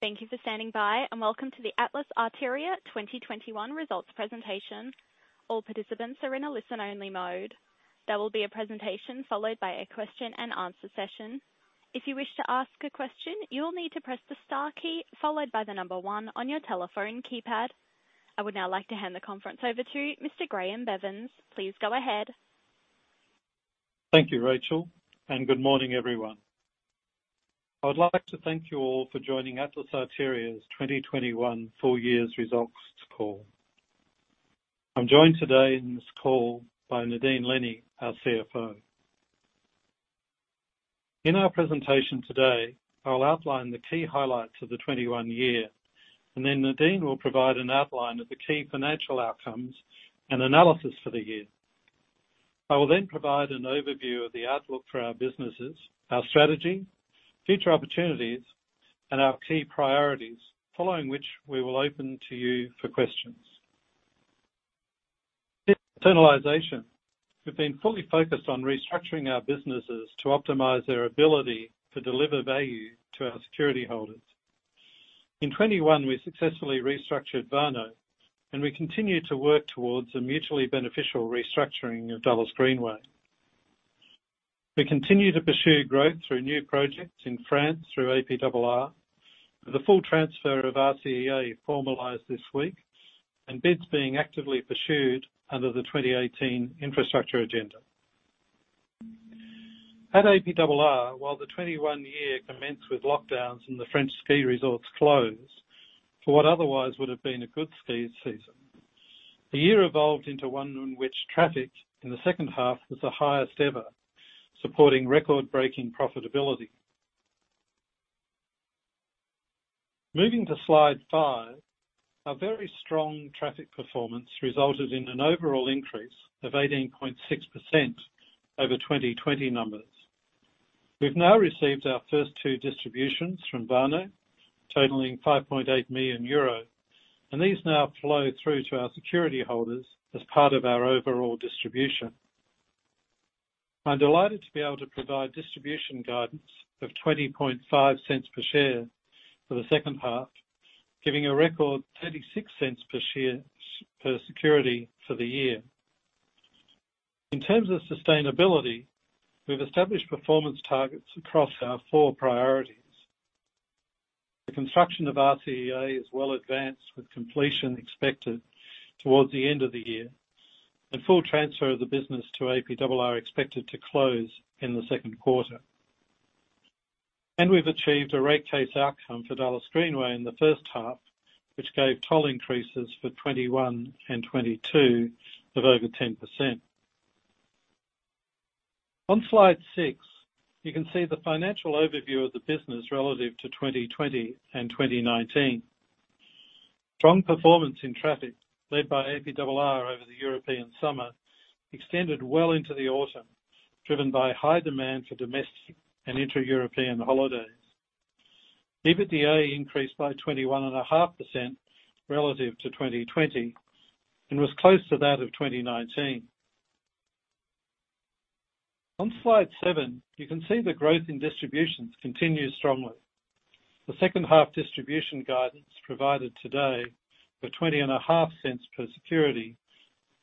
Thank you for standing by, and welcome to the Atlas Arteria 2021 results presentation. All participants are in a listen-only mode. There will be a presentation followed by a question and answer session. If you wish to ask a question, you'll need to press the star key followed by the number 1 on your telephone keypad. I would now like to hand the conference over to Mr. Graeme Bevans. Please go ahead. Thank you, Rachel, and good morning everyone. I would like to thank you all for joining Atlas Arteria's 2021 full-year results call. I'm joined today in this call by Nadine Lennie, our CFO. In our presentation today, I'll outline the key highlights of the 2021 year, and then Nadine will provide an outline of the key financial outcomes and analysis for the year. I will then provide an overview of the outlook for our businesses, our strategy, future opportunities, and our key priorities, following which we will open to you for questions. Internalization. We've been fully focused on restructuring our businesses to optimize their ability to deliver value to our security holders. In 2021, we successfully restructured Warnow, and we continue to work towards a mutually beneficial restructuring of Dulles Greenway. We continue to pursue growth through new projects in France through APRR, with the full transfer of RCEA formalized this week and bids being actively pursued under the 2018 infrastructure agenda. At APRR, while the 2021 year commenced with lockdowns and the French ski resorts closed for what otherwise would have been a good ski season, the year evolved into one in which traffic in the second half was the highest ever, supporting record-breaking profitability. Moving to slide five. Our very strong traffic performance resulted in an overall increase of 18.6% over 2020 numbers. We've now received our first two distributions from Warnow, totaling 5.8 million euro, and these now flow through to our security holders as part of our overall distribution. I'm delighted to be able to provide distribution guidance of 0.205 per share for the second half, giving a record 0.36 per security for the year. In terms of sustainability, we've established performance targets across our four priorities. The construction of RCEA is well advanced, with completion expected towards the end of the year, and full transfer of the business to APRR expected to close in the second quarter. We've achieved a rate case outcome for Dulles Greenway in the first half, which gave toll increases for 2021 and 2022 of over 10%. On slide six, you can see the financial overview of the business relative to 2020 and 2019. Strong performance in traffic, led by APRR over the European summer, extended well into the autumn, driven by high demand for domestic and intra-European holidays. EBITDA increased by 21.5% relative to 2020 and was close to that of 2019. On slide seven, you can see the growth in distributions continue strongly. The second-half distribution guidance provided today for 0.205 per security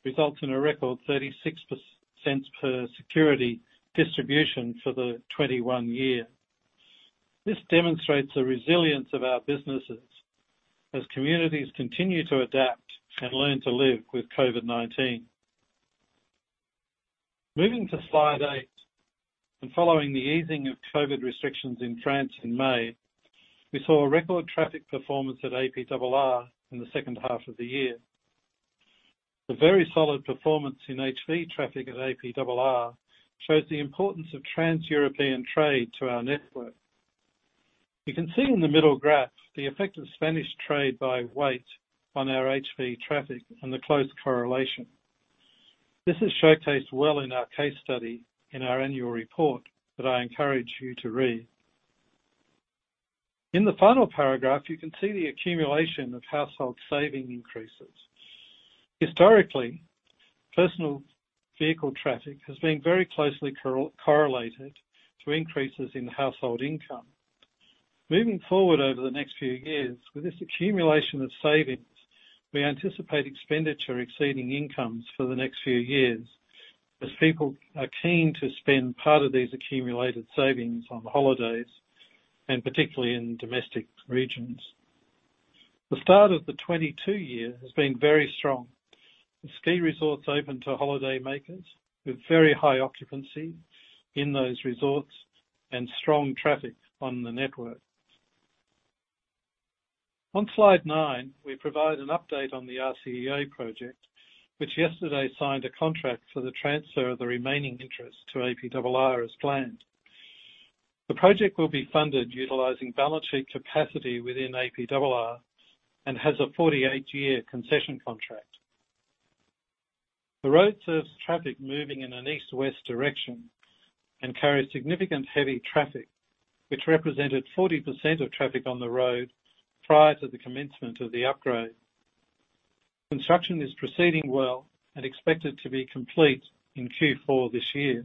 results in a record 0.365 per security distribution for the 2021 year. This demonstrates the resilience of our businesses as communities continue to adapt and learn to live with COVID-19. Moving to slide eight. Following the easing of COVID restrictions in France in May, we saw a record traffic performance at APRR in the second half of the year. The very solid performance in HV traffic at APRR shows the importance of trans-European trade to our network. You can see in the middle graph the effect of Spanish trade by weight on our HV traffic and the close correlation. This is showcased well in our case study in our annual report that I encourage you to read. In the final paragraph, you can see the accumulation of household saving increases. Historically, personal vehicle traffic has been very closely correlated to increases in household income. Moving forward over the next few years, with this accumulation of savings, we anticipate expenditure exceeding incomes for the next few years as people are keen to spend part of these accumulated savings on holidays, and particularly in domestic regions. The start of the 2022 year has been very strong, with ski resorts open to holidaymakers, with very high occupancy in those resorts and strong traffic on the network. On slide nine, we provide an update on the RCEA project, which yesterday signed a contract for the transfer of the remaining interest to APRR as planned. The project will be funded utilizing balance sheet capacity within APRR and has a 48-year concession contract. The road serves traffic moving in an east to west direction and carries significant heavy traffic, which represented 40% of traffic on the road prior to the commencement of the upgrade. Construction is proceeding well and expected to be complete in Q4 this year.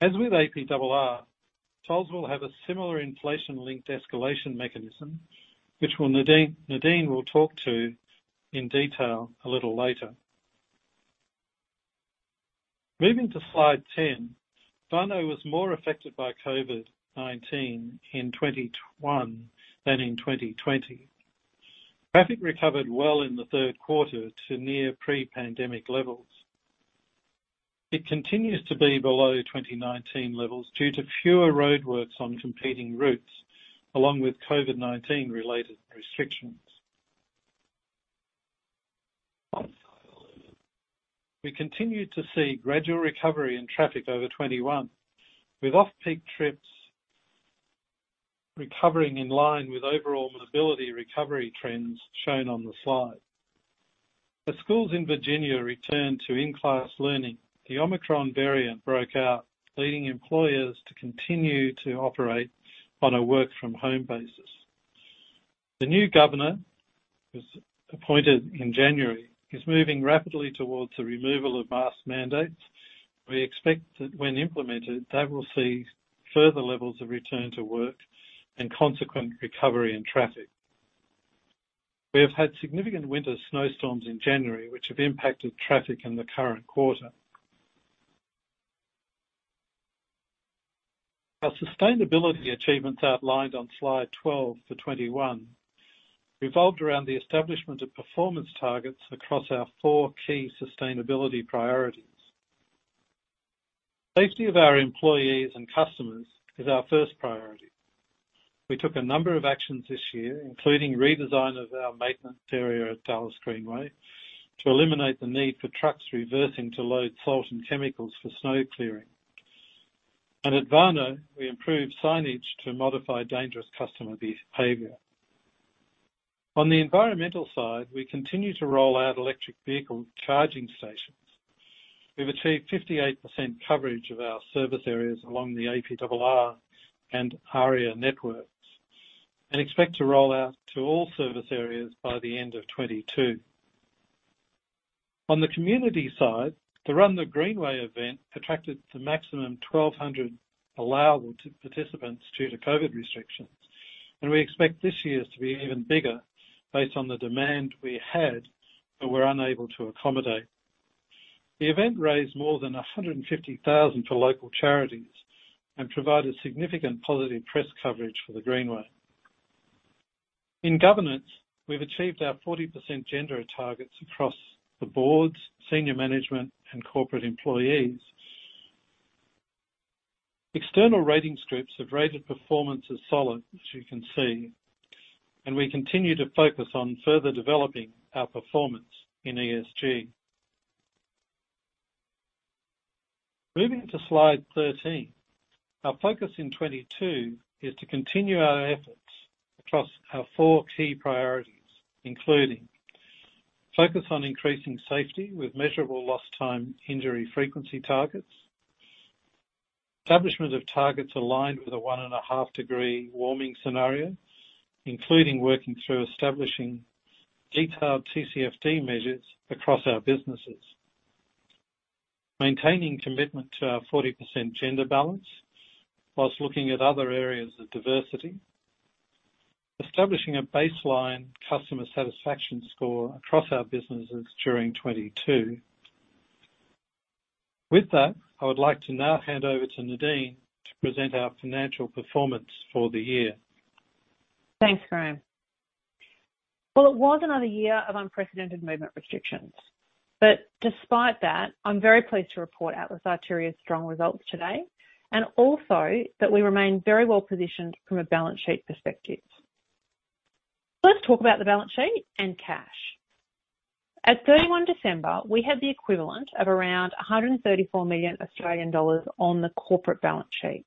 As with APRR, tolls will have a similar inflation-linked escalation mechanism, which will Nadine will talk to in detail a little later. Moving to slide 10. Warnow was more affected by COVID-19 in 2021 than in 2020. Traffic recovered well in the third quarter to near pre-pandemic levels. It continues to be below 2019 levels due to fewer roadworks on competing routes, along with COVID-19 related restrictions. We continued to see gradual recovery in traffic over 2021, with off-peak trips recovering in line with overall mobility recovery trends shown on the slide. As schools in Virginia returned to in-class learning, the Omicron variant broke out, leading employers to continue to operate on a work-from-home basis. The new governor, who was appointed in January, is moving rapidly towards the removal of mask mandates. We expect that when implemented, they will see further levels of return to work and consequent recovery in traffic. We have had significant winter snowstorms in January, which have impacted traffic in the current quarter. Our sustainability achievements outlined on slide 12 for 2021 revolved around the establishment of performance targets across our four key sustainability priorities. Safety of our employees and customers is our first priority. We took a number of actions this year, including redesign of our maintenance area at Dulles Greenway to eliminate the need for trucks reversing to load salt and chemicals for snow clearing. At Warnow, we improved signage to modify dangerous customer behavior. On the environmental side, we continue to roll out electric vehicle charging stations. We've achieved 58% coverage of our service areas along the APRR and AREA networks and expect to roll out to all service areas by the end of 2022. On the community side, the Run the Greenway event attracted the maximum 1,200 allowable participants due to COVID restrictions, and we expect this year's to be even bigger based on the demand we had, but were unable to accommodate. The event raised more than $150,000 for local charities and provided significant positive press coverage for the Greenway. In governance, we've achieved our 40% gender targets across the Board, senior management, and corporate employees. External rating agencies have rated performance as solid, as you can see, and we continue to focus on further developing our performance in ESG. Moving to slide 13. Our focus in 2022 is to continue our efforts across our four key priorities, including focus on increasing safety with measurable lost time injury frequency targets. Establishment of targets aligned with a 1.5-degree warming scenario, including working through establishing detailed TCFD measures across our businesses. Maintaining commitment to our 40% gender balance while looking at other areas of diversity. Establishing a baseline customer satisfaction score across our businesses during 2022. With that, I would like to now hand over to Nadine to present our financial performance for the year. Thanks, Graeme. Well, it was another year of unprecedented movement restrictions, but despite that, I'm very pleased to report Atlas Arteria's strong results today and also that we remain very well positioned from a balance sheet perspective. Let's talk about the balance sheet and cash. At 31st December, we had the equivalent of around 134 million Australian dollars on the corporate balance sheet.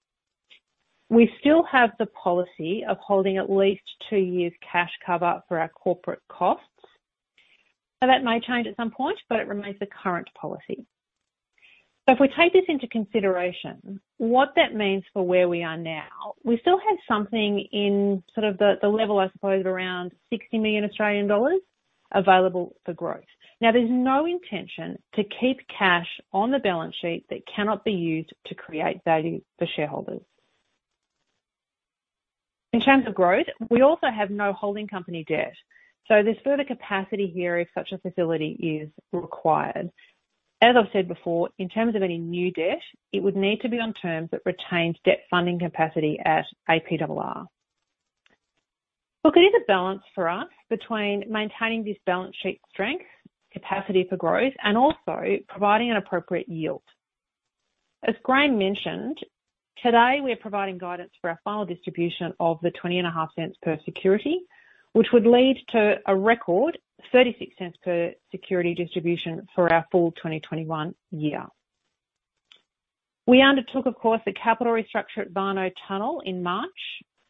We still have the policy of holding at least two years cash cover for our corporate costs. Now, that may change at some point, but it remains the current policy. If we take this into consideration, what that means for where we are now, we still have something in sort of the level, I suppose around 60 million Australian dollars available for growth. Now, there's no intention to keep cash on the balance sheet that cannot be used to create value for shareholders. In terms of growth, we also have no holding company debt, so there's further capacity here if such a facility is required. As I've said before, in terms of any new debt, it would need to be on terms that retains debt funding capacity at APRR. Look, it is a balance for us between maintaining this balance sheet strength, capacity for growth, and also providing an appropriate yield. As Graeme mentioned, today we're providing guidance for our final distribution of 0.205 per security, which would lead to a record 0.36 per security distribution for our full 2021 year. We undertook, of course, a capital restructure at Warnow Tunnel in March,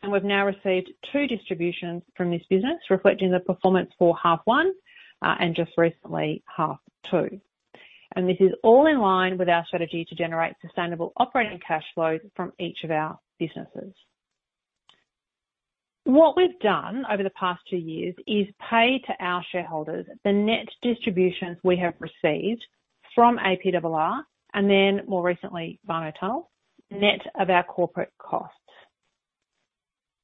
and we've now received two distributions from this business, reflecting the performance for half one, and just recently half two. This is all in line with our strategy to generate sustainable operating cash flows from each of our businesses. What we've done over the past two years is pay to our shareholders the net distributions we have received from APRR and then more recently, Warnow Tunnel, net of our corporate costs.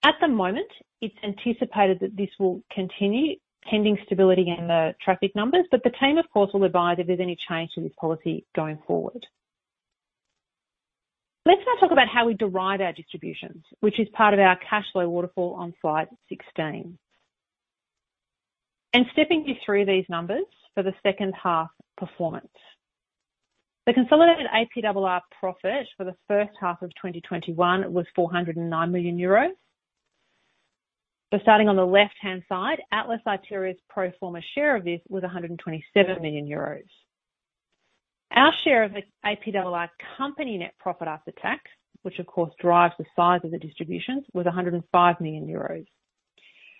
At the moment, it's anticipated that this will continue pending stability in the traffic numbers, but the team, of course, will advise if there's any change to this policy going forward. Let's now talk about how we derive our distributions, which is part of our cash flow waterfall on slide 16. Stepping you through these numbers for the second half performance. The consolidated APRR profit for the first half of 2021 was 409 million euros. Starting on the left-hand side, Atlas Arteria's pro forma share of this was 127 million euros. Our share of APRR's company net profit after tax, which of course drives the size of the distributions, was 105 million euros.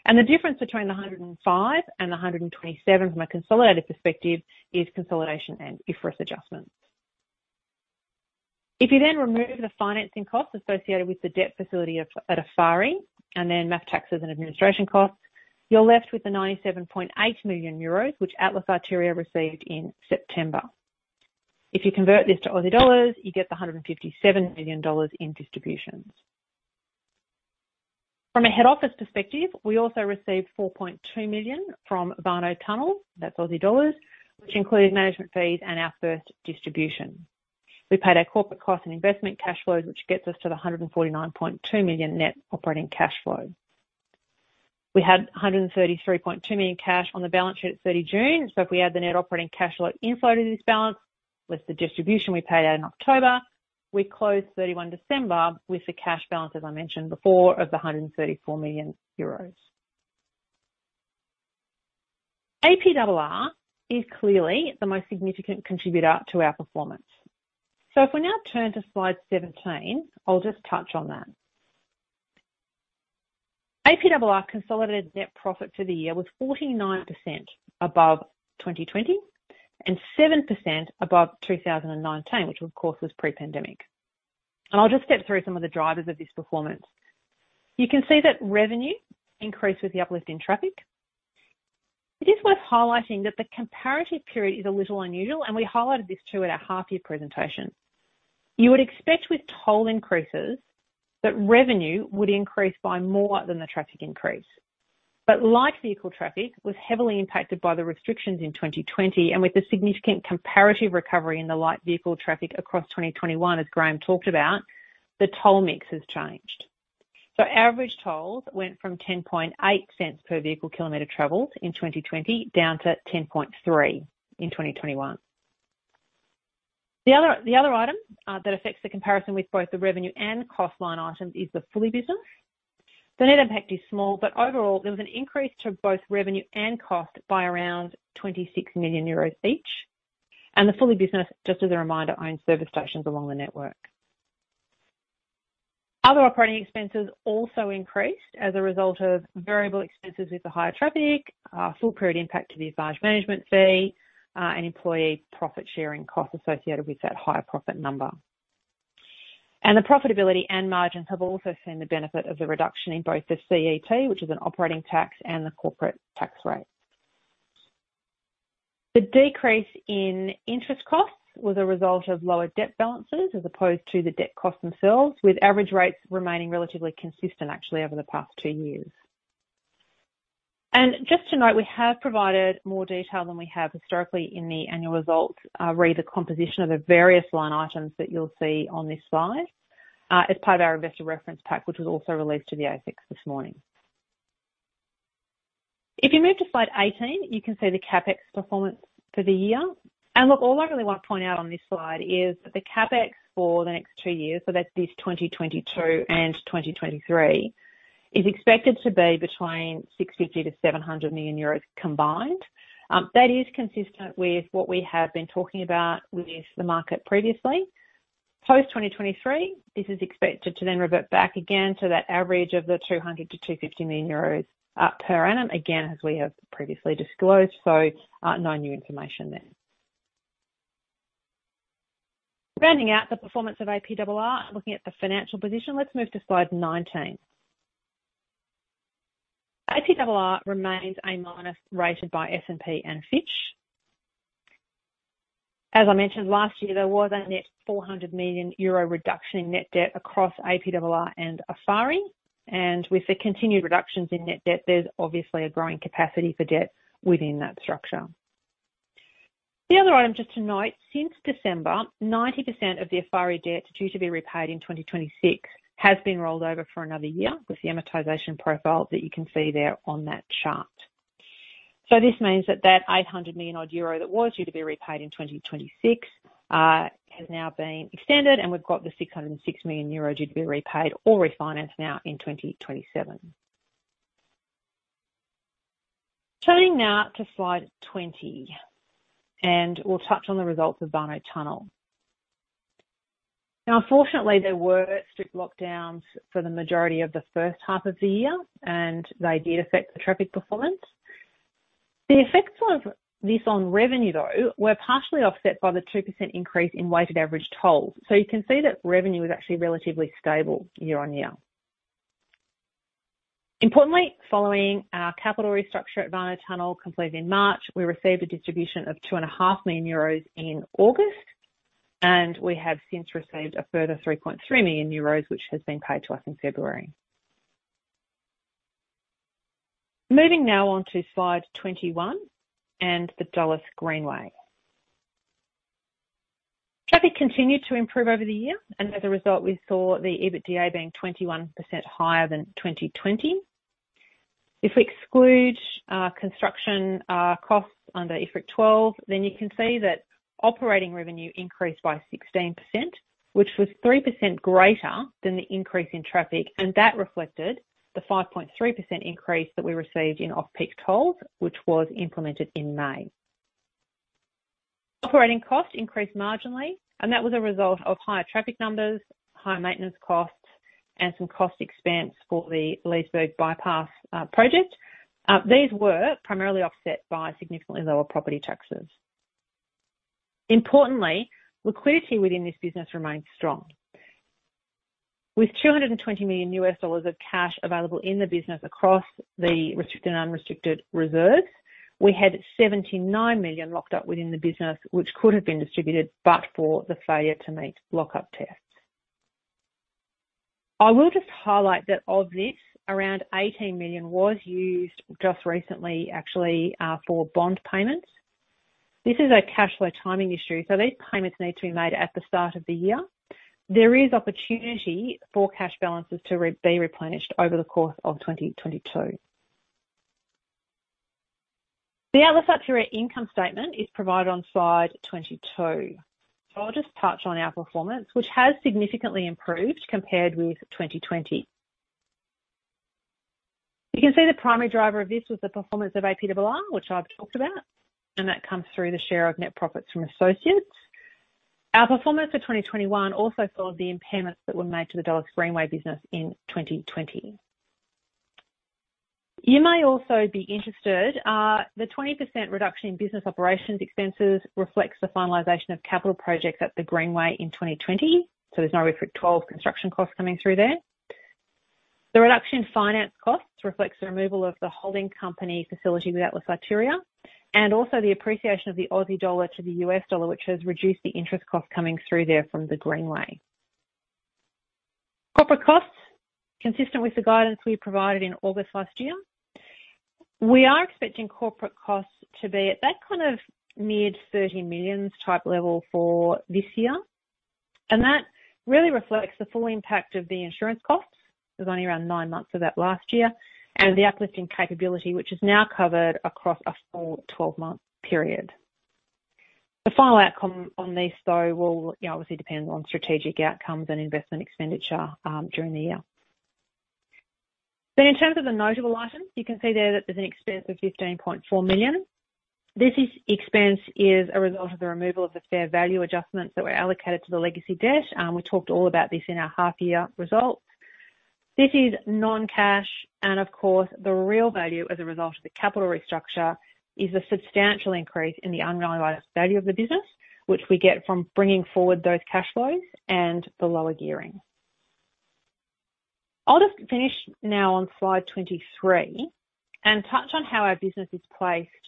The difference between the 105 and the 127 from a consolidated perspective is consolidation and IFRS adjustments. If you then remove the financing costs associated with the debt facility of Eiffarie and then less taxes and administration costs, you're left with the 97.8 million euros, which Atlas Arteria received in September. If you convert this to Aussie dollars, you get the 157 million dollars in distributions. From a head office perspective, we also received 4.2 million from Warnow Tunnel, that's Aussie dollars, which included management fees and our first distribution. We paid our corporate costs and investment cash flows, which gets us to the 149.2 million net operating cash flow. We had 133.2 million cash on the balance sheet at 30th June. If we add the net operating cash flow inflow to this balance, with the distribution we paid out in October, we closed 31st December with the cash balance, as I mentioned before, of the 134 million euros. APRR is clearly the most significant contributor to our performance. If we now turn to slide 17, I'll just touch on that. APRR consolidated net profit for the year was 49% above 2020 and 7% above 2019, which of course was pre-pandemic. I'll just step through some of the drivers of this performance. You can see that revenue increased with the uplift in traffic. It is worth highlighting that the comparative period is a little unusual, and we highlighted this too at our half year presentation. You would expect with toll increases that revenue would increase by more than the traffic increase. Light vehicle traffic was heavily impacted by the restrictions in 2020 and with the significant comparative recovery in the light vehicle traffic across 2021, as Graham talked about, the toll mix has changed. Average tolls went from 10.8 cents per vehicle kilometer traveled in 2020 down to 10.3 in 2021. The other item that affects the comparison with both the revenue and cost line item is the Fulli business. The net impact is small, but overall there was an increase to both revenue and cost by around 26 million euros each. The Fulli business, just as a reminder, owns service stations along the network. Other operating expenses also increased as a result of variable expenses with the higher traffic, full period impact to the advisory management fee, and employee profit sharing costs associated with that higher profit number. The profitability and margins have also seen the benefit of the reduction in both the CET, which is an operating tax, and the corporate tax rate. The decrease in interest costs was a result of lower debt balances as opposed to the debt costs themselves, with average rates remaining relatively consistent actually over the past two years. Just to note, we have provided more detail than we have historically in the annual results re the composition of the various line items that you'll see on this slide as part of our investor reference pack, which was also released to the ASX this morning. If you move to slide 18, you can see the CapEx performance for the year. Look, all I really want to point out on this slide is the CapEx for the next two years, so that's this 2022 and 2023, is expected to be between 650 million-700 million euros combined. That is consistent with what we have been talking about with the market previously. Post 2023, this is expected to then revert back again to that average of 200 million-250 million euros per annum again as we have previously disclosed. No new information there. Rounding out the performance of APRR and looking at the financial position, let's move to slide 19. APRR remains A- rated by S&P and Fitch. As I mentioned last year, there was a net 400 million euro reduction in net debt across APRR and Eiffarie, and with the continued reductions in net debt, there's obviously a growing capacity for debt within that structure. The other item, just to note, since December, 90% of the Eiffarie debt due to be repaid in 2026 has been rolled over for another year with the amortization profile that you can see there on that chart. This means that 800 million odd euro that was due to be repaid in 2026 has now been extended and we've got the 606 million euro due to be repaid or refinanced now in 2027. Turning now to slide 20, and we'll touch on the results of Warnow Tunnel. Now, unfortunately, there were strict lockdowns for the majority of the first half of the year and they did affect the traffic performance. The effects of this on revenue though, were partially offset by the 2% increase in weighted average tolls. You can see that revenue is actually relatively stable year-on-year. Importantly, following our capital restructure at Warnow Tunnel completed in March, we received a distribution of two and a half million euros in August, and we have since received a further 3.3 million euros, which has been paid to us in February. Moving now on to slide 21 and the Dulles Greenway. Traffic continued to improve over the year and as a result, we saw the EBITDA being 21% higher than 2020. If we exclude construction costs under IFRIC 12, then you can see that operating revenue increased by 16%, which was 3% greater than the increase in traffic, and that reflected the 5.3% increase that we received in off-peak tolls, which was implemented in May. Operating costs increased marginally, and that was a result of higher traffic numbers, higher maintenance costs, and some cost expense for the Leesburg Bypass project. These were primarily offset by significantly lower property taxes. Importantly, liquidity within this business remains strong. With $220 million of cash available in the business across the restricted and unrestricted reserves, we had $79 million locked up within the business, which could have been distributed, but for the failure to meet lock-up tests. I will just highlight that of this, around $18 million was used just recently, actually, for bond payments. This is a cash flow timing issue, so these payments need to be made at the start of the year. There is opportunity for cash balances to be replenished over the course of 2022. The Atlas Arteria income statement is provided on slide 22. I'll just touch on our performance, which has significantly improved compared with 2020. You can see the primary driver of this was the performance of APRR, which I've talked about, and that comes through the share of net profits from associates. Our performance for 2021 also followed the impairments that were made to the Dulles Greenway business in 2020. You may also be interested, the 20% reduction in business operations expenses reflects the finalization of capital projects at the Greenway in 2020. There's no IFRIC 12 construction costs coming through there. The reduction in finance costs reflects the removal of the holding company facility with Atlas Arteria, and also the appreciation of the Aussie dollar to the US dollar, which has reduced the interest costs coming through there from the Greenway. Corporate costs, consistent with the guidance we provided in August last year. We are expecting corporate costs to be at that kind of mid-30 millions type level for this year. That really reflects the full impact of the insurance costs. It was only around nine months of that last year. The uplift in capability, which is now covered across a full 12-month period. The final outcome on these though will, you know, obviously depend on strategic outcomes and investment expenditure during the year. In terms of the notable items, you can see there that there's an expense of 15.4 million. This expense is a result of the removal of the fair value adjustments that were allocated to the legacy debt. We talked all about this in our half-year results. This is non-cash, and of course the real value as a result of the capital restructure is a substantial increase in the unrealized value of the business, which we get from bringing forward those cash flows and the lower gearing. I'll just finish now on slide 23 and touch on how our business is placed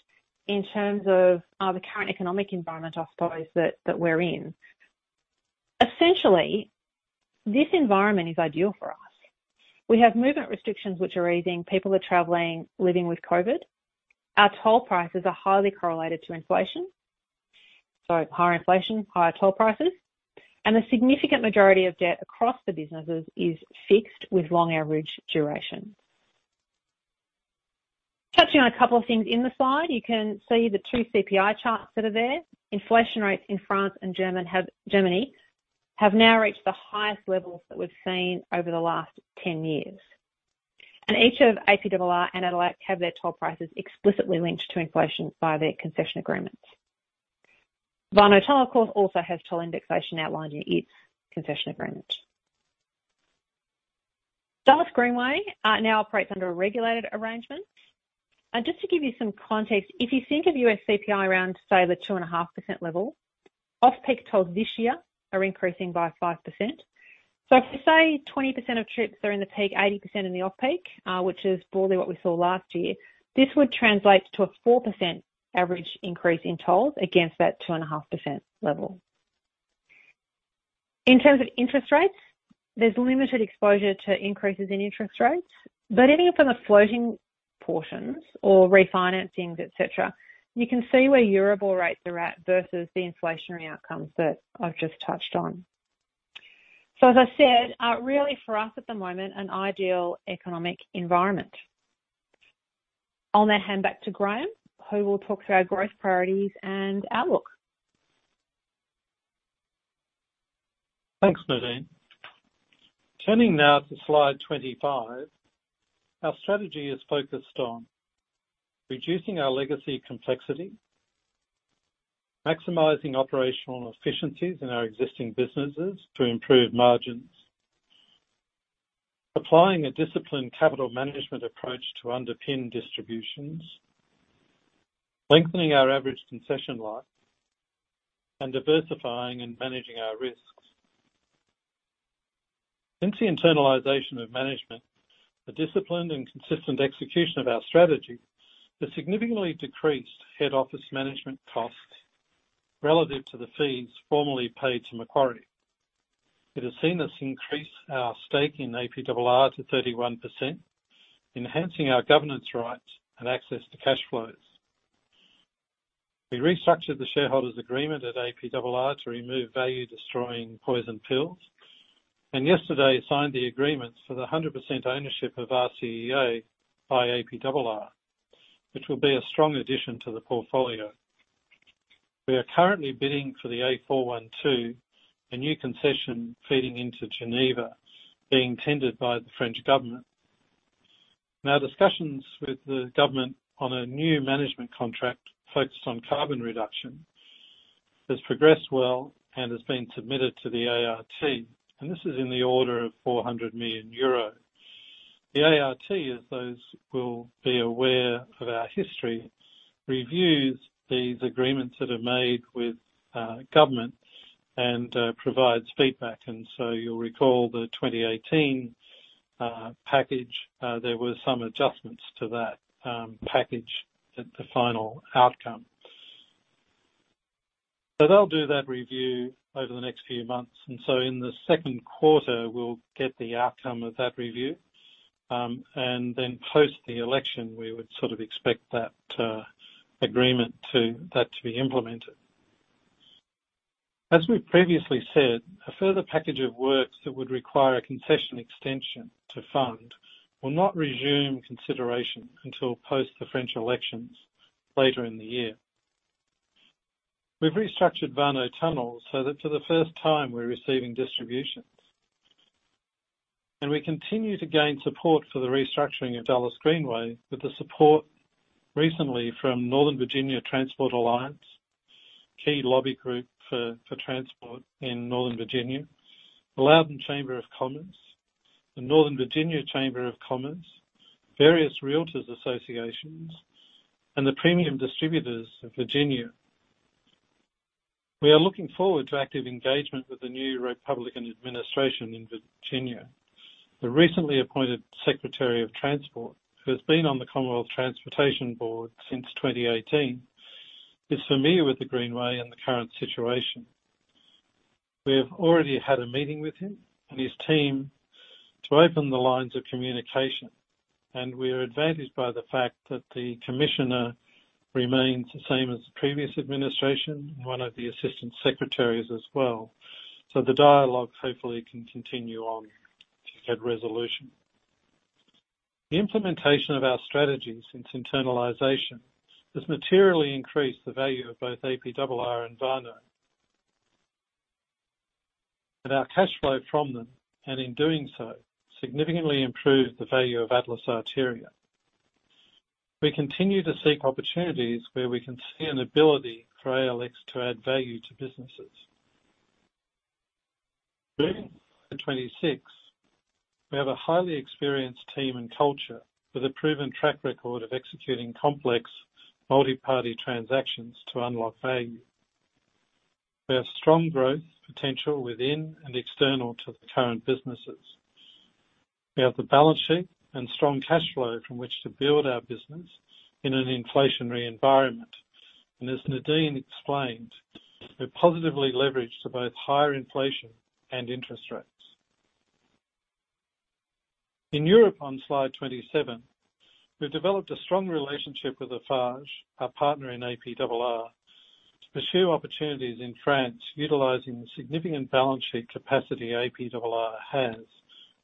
in terms of the current economic environment, I suppose, that we're in. Essentially, this environment is ideal for us. We have movement restrictions which are easing. People are traveling, living with COVID. Our toll prices are highly correlated to inflation, so higher inflation, higher toll prices. The significant majority of debt across the businesses is fixed with long average duration. Touching on a couple of things in the slide, you can see the two CPI charts that are there. Inflation rates in France and Germany have now reached the highest levels that we've seen over the last 10 years. Each of APRR and AREA have their toll prices explicitly linked to inflation via their concession agreements. Warnow Tunnel, of course, also has toll indexation outlined in its concession agreement. Dulles Greenway now operates under a regulated arrangement. Just to give you some context, if you think of US CPI around, say, the 2.5% level, off-peak tolls this year are increasing by 5%. If you say 20% of trips are in the peak, 80% in the off-peak, which is broadly what we saw last year, this would translate to a 4% average increase in tolls against that 2.5% level. In terms of interest rates, there's limited exposure to increases in interest rates, but any from the floating portions or refinancings, et cetera, you can see where EURIBOR rates are at versus the inflationary outcomes that I've just touched on. As I said, really for us at the moment, an ideal economic environment. I'll now hand back to Graeme, who will talk through our growth priorities and outlook. Thanks, Nadine. Turning now to slide 25. Our strategy is focused on reducing our legacy complexity, maximizing operational efficiencies in our existing businesses to improve margins. Applying a disciplined capital management approach to underpin distributions, lengthening our average concession life, and diversifying and managing our risks. Since the internalization of management, a disciplined and consistent execution of our strategy has significantly decreased head office management costs relative to the fees formerly paid to Macquarie. It has seen us increase our stake in APRR to 31%, enhancing our governance rights and access to cash flows. We restructured the shareholders agreement at APRR to remove value-destroying poison pills, and yesterday signed the agreements for the 100% ownership of RCEA by APRR, which will be a strong addition to the portfolio. We are currently bidding for the A41, a new concession feeding into Geneva being tendered by the French government. Our discussions with the government on a new management contract focused on carbon reduction has progressed well and has been submitted to the ART, and this is in the order of 400 million euro. The ART, as those who will be aware of our history, reviews these agreements that are made with government and provides feedback. You'll recall the 2018 package; there were some adjustments to that package at the final outcome. They'll do that review over the next few months, and in the second quarter, we'll get the outcome of that review. Post the election, we would sort of expect that agreement to be implemented. As we've previously said, a further package of works that would require a concession extension to fund will not resume consideration until post the French elections later in the year. We've restructured Warnow Tunnel so that for the first time, we're receiving distributions. We continue to gain support for the restructuring of Dulles Greenway with the support recently from Northern Virginia Transportation Alliance, key lobby group for transport in Northern Virginia, the Loudoun Chamber of Commerce, the Northern Virginia Chamber of Commerce, various realtors associations, and the Premium Distributors of Virginia. We are looking forward to active engagement with the new Republican administration in Virginia. The recently appointed Secretary of Transportation, who has been on the Commonwealth Transportation Board since 2018, is familiar with the Greenway and the current situation. We have already had a meeting with him and his team to open the lines of communication, and we are advantaged by the fact that the commissioner remains the same as the previous administration, and one of the assistant secretaries as well. The dialogue hopefully can continue on to get resolution. The implementation of our strategy since internalization has materially increased the value of both APRR and Warnow and our cash flow from them, and in doing so, significantly improved the value of Atlas Arteria. We continue to seek opportunities where we can see an ability for ALX to add value to businesses. Moving to 2026, we have a highly experienced team and culture with a proven track record of executing complex multi-party transactions to unlock value. We have strong growth potential within and external to the current businesses. We have the balance sheet and strong cash flow from which to build our business in an inflationary environment. As Nadine explained, we're positively leveraged to both higher inflation and interest rates. In Europe on slide 27, we've developed a strong relationship with Eiffage, our partner in APRR, to pursue opportunities in France utilizing the significant balance sheet capacity APRR has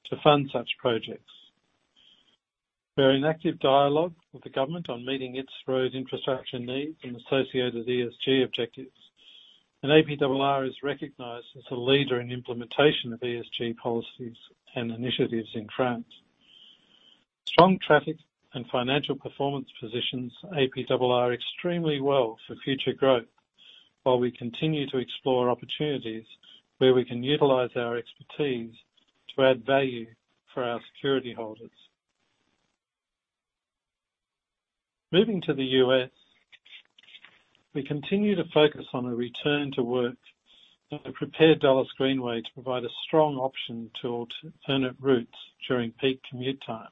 to fund such projects. We're in active dialogue with the government on meeting its road infrastructure needs and associated ESG objectives. APRR is recognized as a leader in implementation of ESG policies and initiatives in France. Strong traffic and financial performance positions APRR extremely well for future growth while we continue to explore opportunities where we can utilize our expertise to add value for our security holders. Moving to the U.S., we continue to focus on a return to work that will prepare Dulles Greenway to provide a strong option to alternate routes during peak commute times.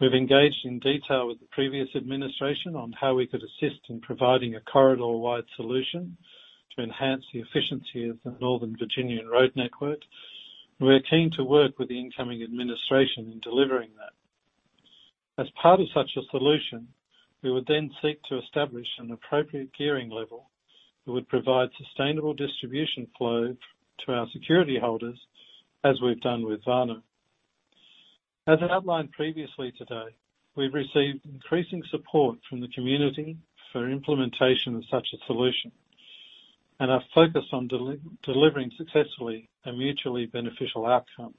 We've engaged in detail with the previous administration on how we could assist in providing a corridor-wide solution to enhance the efficiency of the Northern Virginia road network. We're keen to work with the incoming administration in delivering that. As part of such a solution, we would then seek to establish an appropriate gearing level that would provide sustainable distribution flow to our security holders, as we've done with Warnow. As I outlined previously today, we've received increasing support from the community for implementation of such a solution and are focused on delivering successfully a mutually beneficial outcome.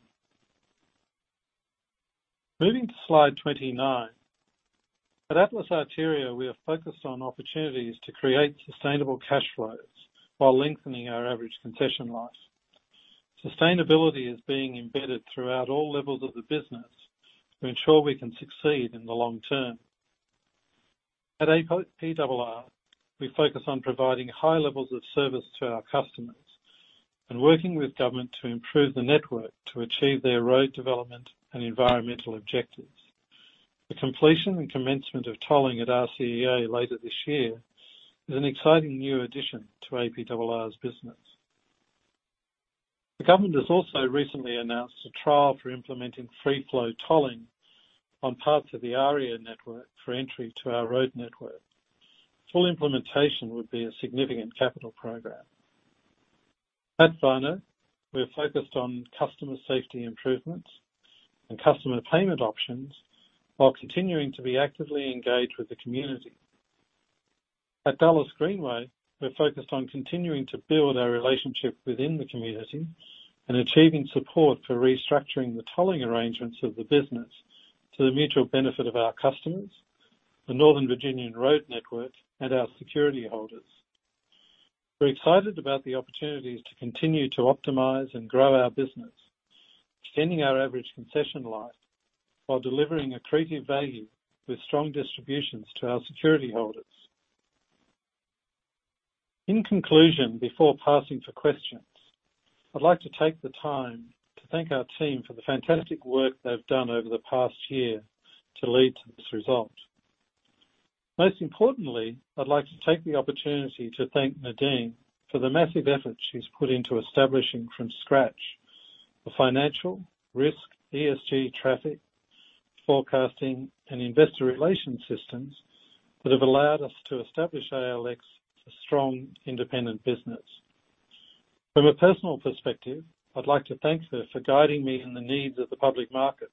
Moving to slide 29. At Atlas Arteria, we are focused on opportunities to create sustainable cash flows while lengthening our average concession life. Sustainability is being embedded throughout all levels of the business to ensure we can succeed in the long term. At APRR, we focus on providing high levels of service to our customers and working with government to improve the network to achieve their road development and environmental objectives. The completion and commencement of tolling at RCEA later this year is an exciting new addition to APRR's business. The government has also recently announced a trial for implementing free-flow tolling on parts of the AREA network for entry to our road network. Full implementation would be a significant capital program. In Virginia, we are focused on customer safety improvements and customer payment options while continuing to be actively engaged with the community. At Dulles Greenway, we're focused on continuing to build our relationship within the community and achieving support for restructuring the tolling arrangements of the business to the mutual benefit of our customers, the Northern Virginia road network, and our security holders. We're excited about the opportunities to continue to optimize and grow our business, extending our average concession life while delivering accretive value with strong distributions to our security holders. In conclusion, before passing to questions, I'd like to take the time to thank our team for the fantastic work they've done over the past year to lead to this result. Most importantly, I'd like to take the opportunity to thank Nadine for the massive effort she's put into establishing from scratch the financial, risk, ESG, traffic, forecasting, and investor relations systems that have allowed us to establish ALX as a strong, independent business. From a personal perspective, I'd like to thank her for guiding me in the needs of the public markets.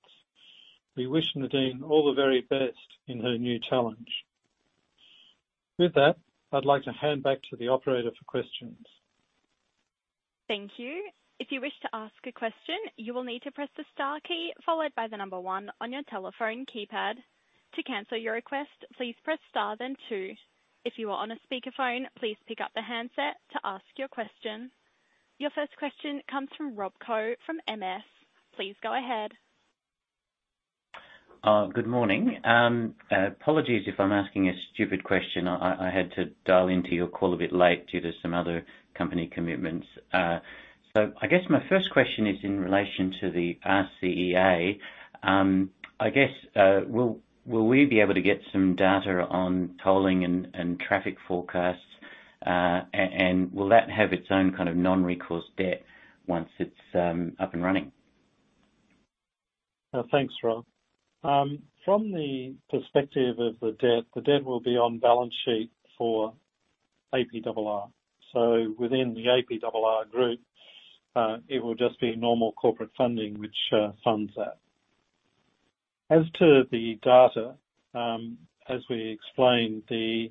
We wish Nadine all the very best in her new challenge. With that, I'd like to hand back to the operator for questions. Thank you. If you wish to ask a question, you will need to press the star key followed by the number one on your telephone keypad. To cancel your request, please press star then two. If you are on a speakerphone, please pick up the handset to ask your question. Your first question comes from Rob Gillies from MS. Please go ahead. Good morning. Apologies if I'm asking a stupid question. I had to dial into your call a bit late due to some other company commitments. I guess my first question is in relation to the RCEA. I guess will we be able to get some data on tolling and traffic forecasts? Will that have its own kind of non-recourse debt once it's up and running? Thanks, Rob. From the perspective of the debt, the debt will be on balance sheet for APRR. Within the APRR group, it will just be normal corporate funding which funds that. As to the data, as we explained, the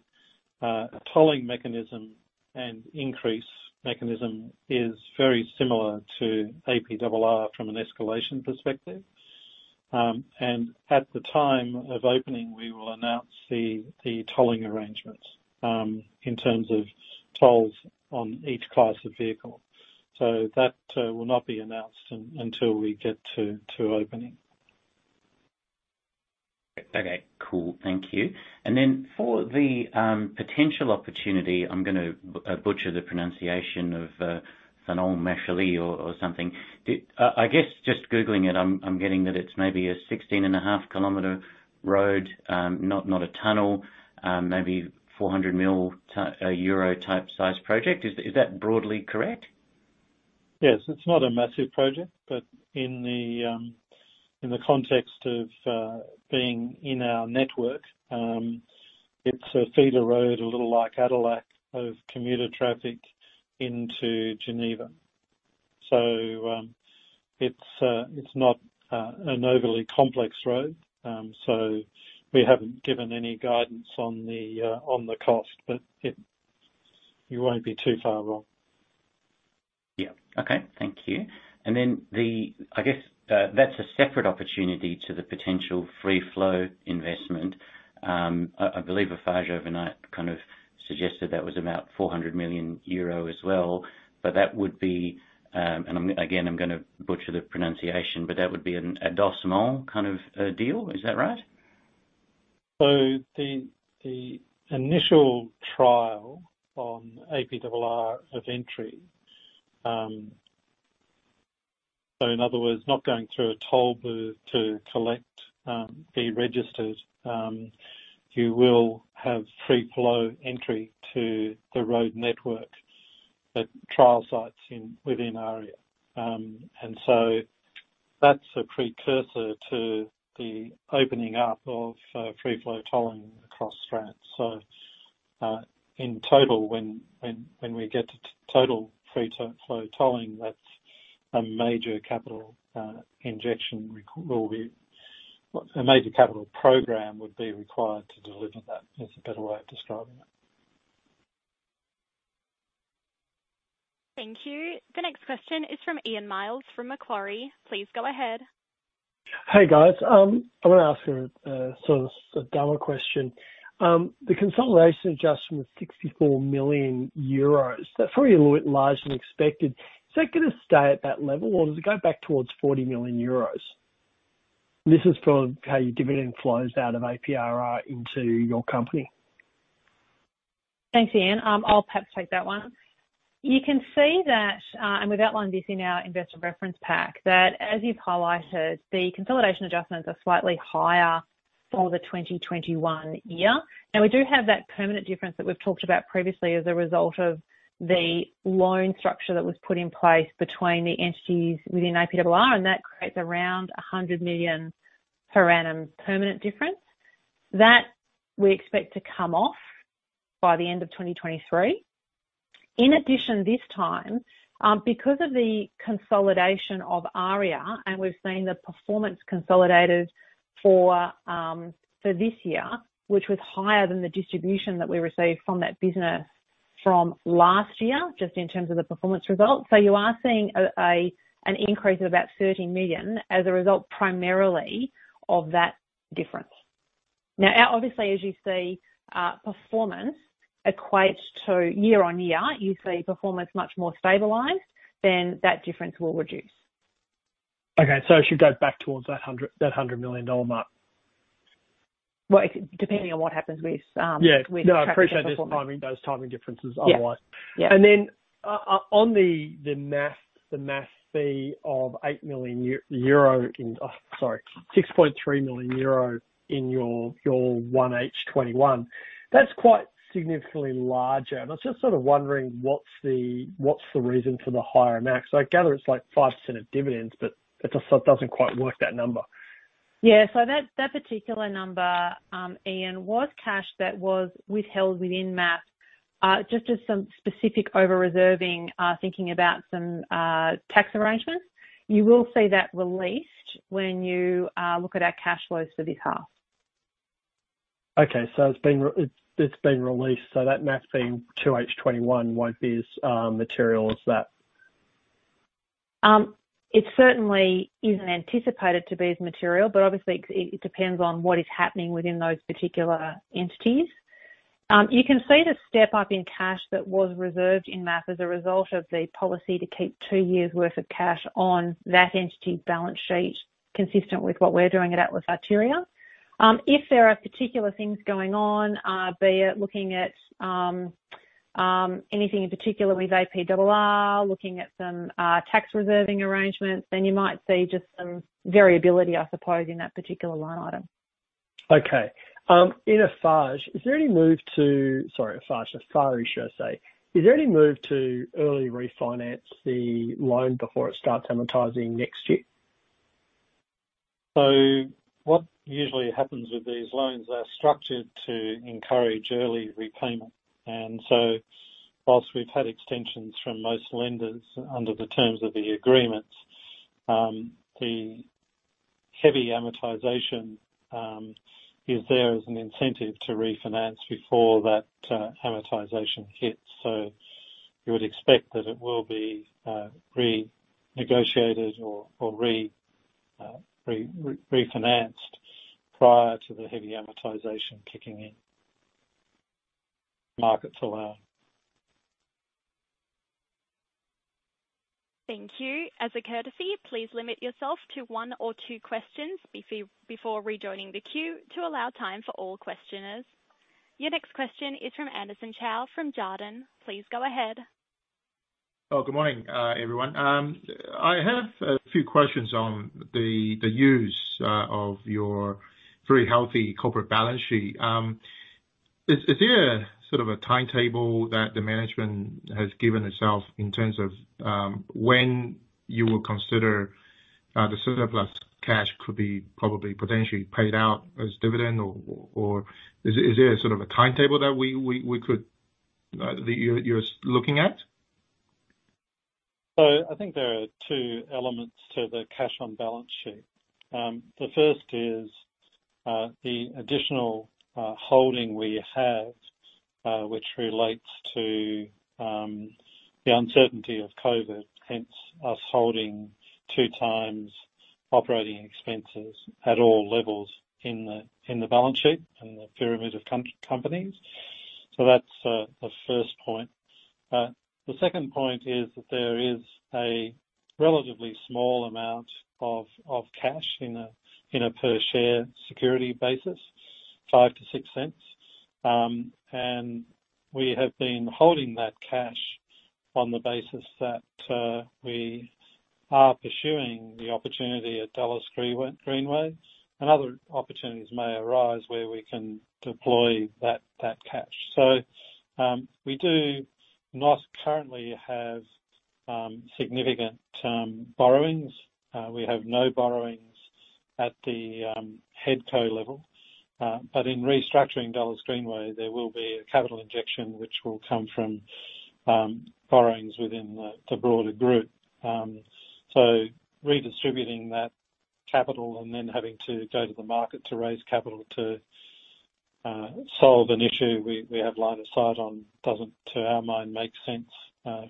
tolling mechanism and increase mechanism is very similar to APRR from an escalation perspective. At the time of opening, we will announce the tolling arrangements in terms of tolls on each class of vehicle. That will not be announced until we get to opening. Okay, cool. Thank you. Then for the potential opportunity, I'm gonna butcher the pronunciation of Ferney-Machilly or something. I guess just googling it, I'm getting that it's maybe a 16.5 km road, not a tunnel, maybe 400 million euro-type size project. Is that broadly correct? Yes. It's not a massive project, but in the context of being in our network, it's a feeder road, a little like ADELAC of commuter traffic into Geneva. It's not an overly complex road. We haven't given any guidance on the cost, but you won't be too far wrong. Yeah. Okay. Thank you. I guess, that's a separate opportunity to the potential free flow investment. I believe a Farge overnight kind of suggested that was about 400 million euro as well. That would be, and I'm again gonna butcher the pronunciation, but that would be an ADELAC kind of deal. Is that right? The initial trial on APRR of entry, so in other words, not going through a toll booth to collect, be registered, you will have free-flow entry to the road network at trial sites within AREA. That's a precursor to the opening up of free-flow tolling across France. In total when we get to total free-flow tolling, that's a major capital injection. A major capital program would be required to deliver that, is a better way of describing that. Thank you. The next question is from Ian Myles from Macquarie. Please go ahead. Hey, guys. I wanna ask a sort of dumber question. The consolidation adjustment of 64 million euros, that's probably a little bit larger than expected. Is that gonna stay at that level or does it go back towards 40 million euros? This is for how your dividend flows out of APRR into your company. Thanks, Ian. I'll perhaps take that one. You can see that, and we've outlined this in our investor reference pack, that as you've highlighted, the consolidation adjustments are slightly higher for the 2021 year. Now, we do have that permanent difference that we've talked about previously as a result of the loan structure that was put in place between the entities within APRR, and that creates around 100 million per annum permanent difference. That, we expect to come off by the end of 2023. In addition, this time, because of the consolidation of AREA, and we've seen the performance consolidated for this year, which was higher than the distribution that we received from that business from last year, just in terms of the performance results. You are seeing an increase of about 13 million as a result, primarily of that difference. Now, obviously, as you see, performance equates to year on year. You see performance much more stabilized, then that difference will reduce. Okay. It should go back towards that 100 million dollar mark. Well, it depends on what happens with. Yeah With performance. No, I appreciate those timing differences otherwise. Yeah. Yeah. On the MAF fee of 8 million euro in... Oh, sorry, 6.3 million euro in your 1H 2021. That's quite significantly larger, and I was just sort of wondering what's the reason for the higher amount. I gather it's like 5% of dividends, but it just doesn't quite work that number. That particular number, Ian, was cash that was withheld within MAF, just as some specific over-reserving, thinking about some tax arrangements. You will see that released when you look at our cash flows for this half. It's been released, so that MAF fee in 2H 2021 won't be as material as that. It certainly isn't anticipated to be as material, but obviously it depends on what is happening within those particular entities. You can see the step up in cash that was reserved in MAF as a result of the policy to keep two years' worth of cash on that entity's balance sheet, consistent with what we're doing at Atlas Arteria. If there are particular things going on, be it looking at anything in particular with APRR, looking at some tax reserving arrangements, then you might see just some variability, I suppose, in that particular line item. In Eiffarie, is there any move to early refinance the loan before it starts amortizing next year? What usually happens with these loans, they are structured to encourage early repayment. While we've had extensions from most lenders under the terms of the agreements, the heavy amortization is there as an incentive to refinance before that amortization hits. You would expect that it will be renegotiated or refinanced prior to the heavy amortization kicking in. Markets allow. Thank you. As a courtesy, please limit yourself to one or two questions before rejoining the queue to allow time for all questioners. Your next question is from Anderson Chow from Jarden. Please go ahead. Good morning, everyone. I have a few questions on the use of your very healthy corporate balance sheet. Is there sort of a timetable that the management has given itself in terms of when you will consider the surplus cash could be probably potentially paid out as dividend or is there sort of a timetable that you're looking at? I think there are two elements to the cash on balance sheet. The first is the additional holding we have which relates to the uncertainty of COVID, hence us holding two times operating expenses at all levels in the balance sheet and the pyramid of companies. That's the first point. The second point is that there is a relatively small amount of cash in a per share security basis, 0.05-0.06. We have been holding that cash on the basis that we are pursuing the opportunity at Dulles Greenway and other opportunities may arise where we can deploy that cash. We do not currently have significant borrowings. We have no borrowings at the head co level. In restructuring Dulles Greenway, there will be a capital injection which will come from borrowings within the broader group. Redistributing that capital and then having to go to the market to raise capital to solve an issue we have line of sight on doesn't, to our mind, make sense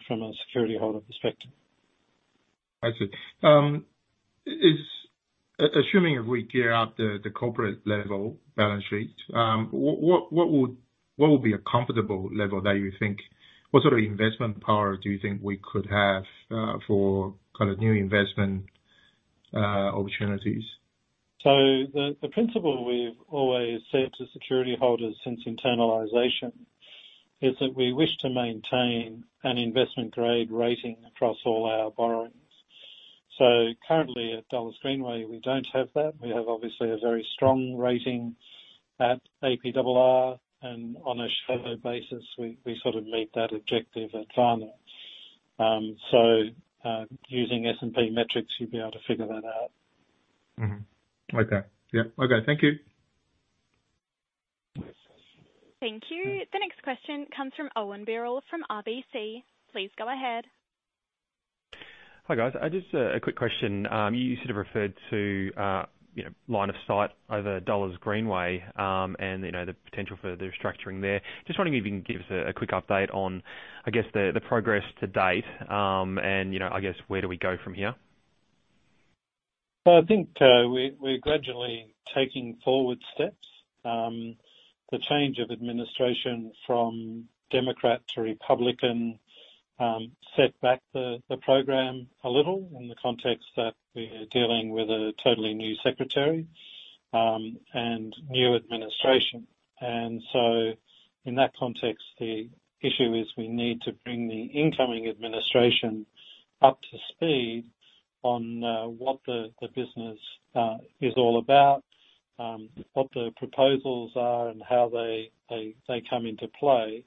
from a security holder perspective. I see. Assuming if we gear up the corporate level balance sheet, what would be a comfortable level that you think? What sort of investment power do you think we could have for kind of new investment opportunities? The principle we've always said to security holders since internalization is that we wish to maintain an investment-grade rating across all our borrowings. Currently at Dulles Greenway, we don't have that. We have, obviously, a very strong rating at APRR, and on a shadow basis, we sort of meet that objective at Warnow. Using S&P metrics, you'd be able to figure that out. Okay. Yeah. Okay. Thank you. Thank you. The next question comes from Owen Birrell from RBC. Please go ahead. Hi, guys. Just a quick question. You sort of referred to, you know, line of sight over Dulles Greenway, and, you know, the potential for the restructuring there. Just wondering if you can give us a quick update on, I guess, the progress to date, and, you know, I guess, where do we go from here? I think we're gradually taking forward steps. The change of administration from Democrat to Republican set back the program a little in the context that we're dealing with a totally new secretary and new administration. In that context, the issue is we need to bring the incoming administration up to speed on what the business is all about, what the proposals are and how they come into play.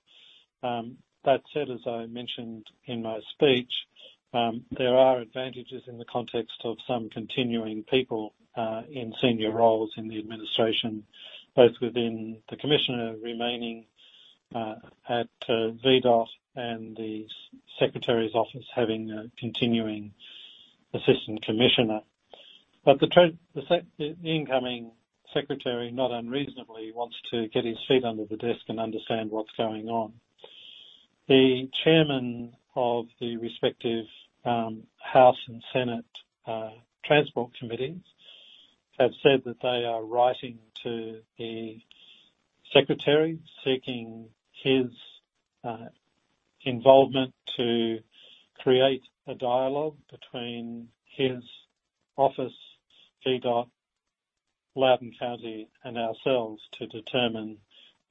That said, as I mentioned in my speech, there are advantages in the context of some continuing people in senior roles in the administration, both within the commissioner remaining at VDOT and the secretary's office having a continuing assistant commissioner. The incoming secretary, not unreasonably, wants to get his feet under the desk and understand what's going on. The chairman of the respective House and Senate transport committees have said that they are writing to the secretary seeking his involvement to create a dialogue between his office, VDOT, Loudoun County, and ourselves to determine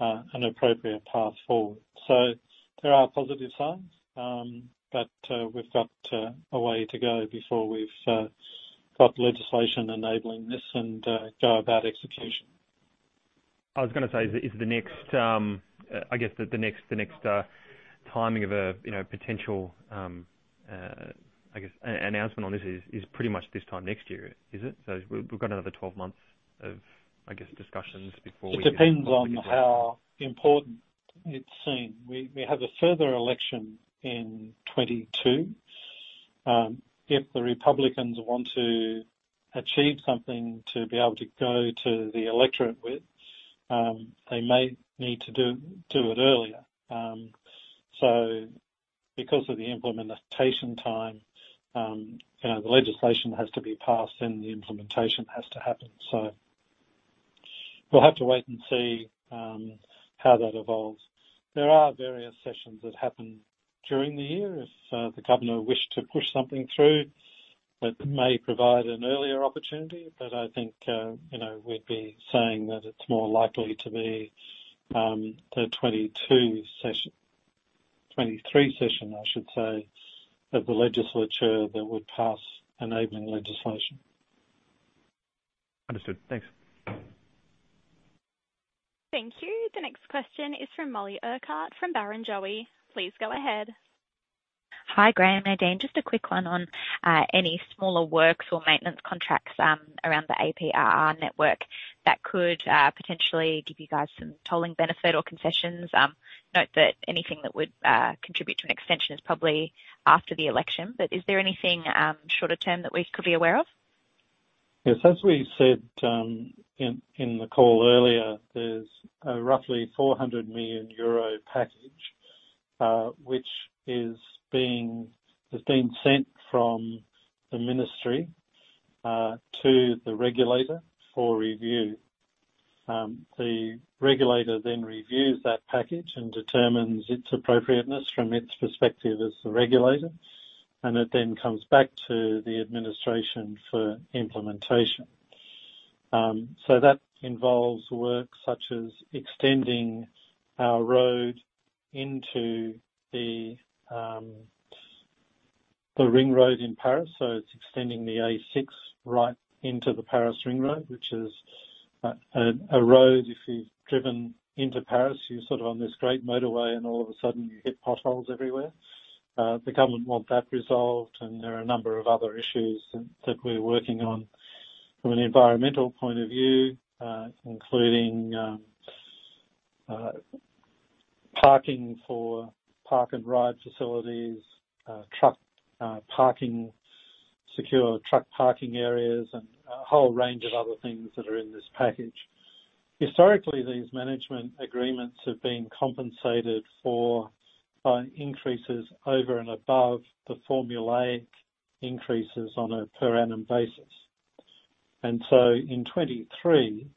an appropriate path forward. There are positive signs, but we've got a way to go before we've got the legislation enabling this and go about execution. I was gonna say, is the next, I guess the next timing of a, you know, potential, I guess announcement on this is pretty much this time next year, is it? So we've got another 12 months of, I guess, discussions before we- It depends on how important it's seen. We have a further election in 2022. If the Republicans want to achieve something to be able to go to the electorate with, they may need to do it earlier. Because of the implementation time, you know, the legislation has to be passed then the implementation has to happen. We'll have to wait and see how that evolves. There are various sessions that happen during the year if the governor wished to push something through that may provide an earlier opportunity. I think, you know, we'd be saying that it's more likely to be the 2022 session. 2023 session, I should say, of the legislature that would pass enabling legislation. Understood. Thanks. Thank you. The next question is from Mollie Urquhart from Barrenjoey. Please go ahead. Hi, Graeme and Nadine. Just a quick one on any smaller works or maintenance contracts around the APRR network that could potentially give you guys some tolling benefit or concessions. Note that anything that would contribute to an extension is probably after the election. Is there anything shorter term that we could be aware of? Yes. As we said, in the call earlier, there's a roughly 400 million euro package, which has been sent from the ministry to the regulator for review. The regulator then reviews that package and determines its appropriateness from its perspective as the regulator, and it then comes back to the administration for implementation. That involves work such as extending our road into the ring road in Paris. It's extending the A6 right into the Paris ring road, which is a road if you've driven into Paris, you're sort of on this great motorway, and all of a sudden you hit potholes everywhere. The government want that resolved, and there are a number of other issues that we're working on from an environmental point of view, including parking for park and ride facilities, truck parking, secure truck parking areas, and a whole range of other things that are in this package. Historically, these management agreements have been compensated for increases over and above the formulaic increases on a per annum basis. In 2023,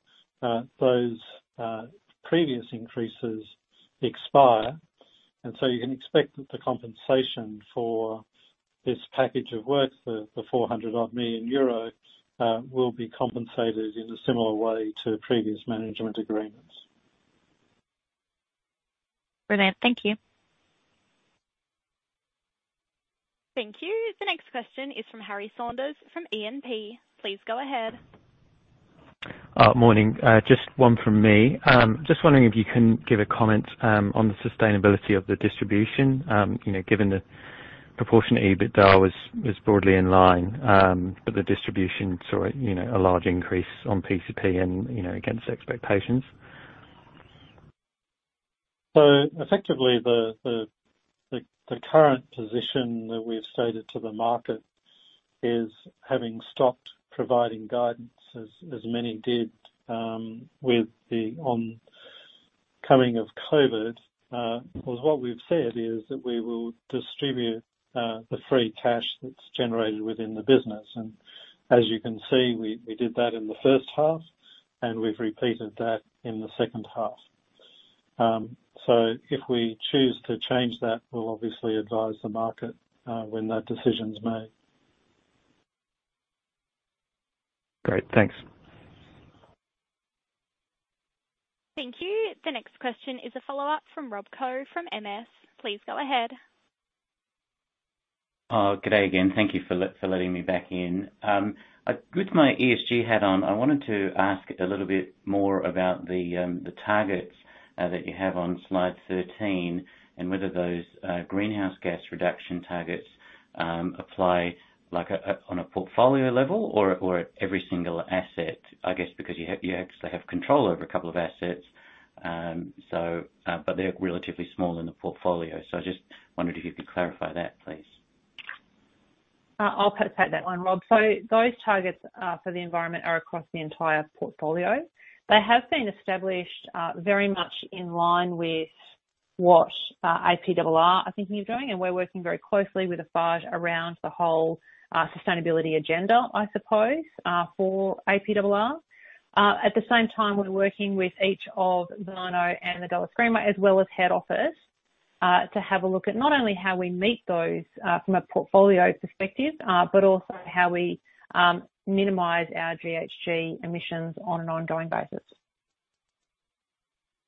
those previous increases expire, and you can expect that the compensation for this package of work, the 400-odd million euro, will be compensated in a similar way to previous management agreements. Brilliant. Thank you. Thank you. The next question is from Harry Saunders from E&P. Please go ahead. Morning. Just one from me. Just wondering if you can give a comment on the sustainability of the distribution, you know, given the proportionate EBITDA was broadly in line, but the distribution saw, you know, a large increase on PCP and, you know, against expectations. Effectively the current position that we have stated to the market is having stopped providing guidance as many did with the oncoming of COVID was what we've said is that we will distribute the free cash that's generated within the business. As you can see, we did that in the first half, and we've repeated that in the second half. If we choose to change that, we'll obviously advise the market when that decision's made. Great. Thanks. Thank you. The next question is a follow-up from Rob Gillies from MS. Please go ahead. Good day again. Thank you for letting me back in. With my ESG hat on, I wanted to ask a little bit more about the targets that you have on slide 13, and whether those greenhouse gas reduction targets apply like on a portfolio level or at every single asset, I guess, because you actually have control over a couple of assets, but they're relatively small in the portfolio. I just wondered if you could clarify that please. I'll take that one, Rob. Those targets for the environment are across the entire portfolio. They have been established very much in line with what APRR are thinking of doing, and we're working very closely with Eiffage around the whole sustainability agenda, I suppose, for APRR. At the same time, we're working with each of Warnow and the Dulles Greenway, as well as head office, to have a look at not only how we meet those from a portfolio perspective, but also how we minimize our GHG emissions on an ongoing basis.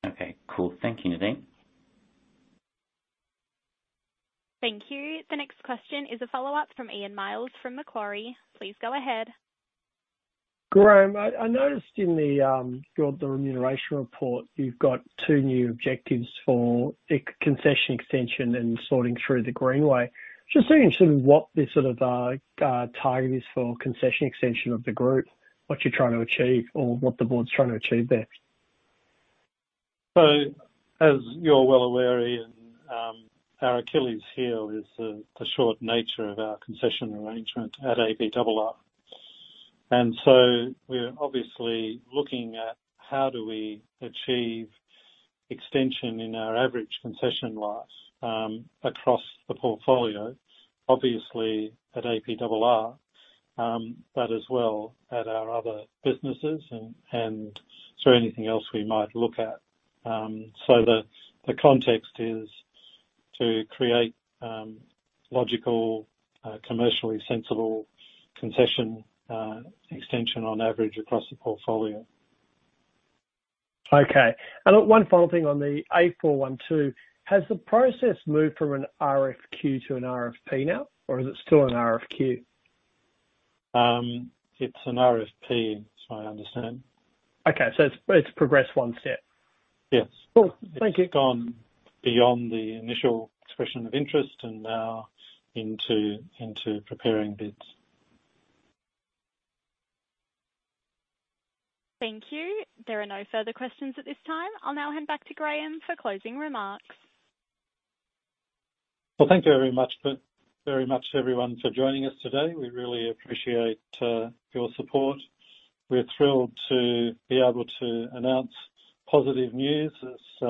Okay. Cool. Thank you, Nadine. Thank you. The next question is a follow-up from Ian Myles from Macquarie. Please go ahead. Graeme, I noticed in the remuneration report, you've got two new objectives for APRR concession extension and the Dulles Greenway. Just interested in what this sort of target is for concession extension of the group, what you're trying to achieve or what the board's trying to achieve there. As you're well aware, Ian, our Achilles heel is the short nature of our concession arrangement at APRR. We're obviously looking at how do we achieve extension in our average concession life across the portfolio, obviously at APRR, but as well at our other businesses and through anything else we might look at. The context is to create logical, commercially sensible concession extension on average across the portfolio. Okay. One final thing on the A41. Has the process moved from an RFQ to an RFP now, or is it still an RFQ? It's an RFP, as I understand. Okay. It's progressed one step. Yes. Cool. Thank you. It's gone beyond the initial expression of interest and now into preparing bids. Thank you. There are no further questions at this time. I'll now hand back to Graeme for closing remarks. Well, thank you very much everyone for joining us today. We really appreciate your support. We're thrilled to be able to announce positive news as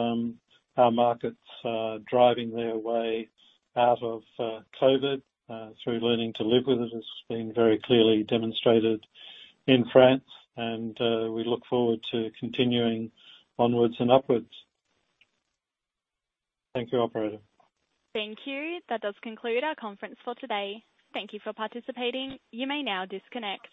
our markets are driving their way out of COVID through learning to live with it as it's been very clearly demonstrated in France. We look forward to continuing onwards and upwards. Thank you, operator. Thank you. That does conclude our conference for today. Thank you for participating. You may now disconnect.